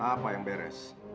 apa yang beres